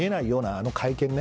あの会見。